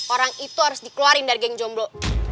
orang itu harus dikeluarin dari geng jomblo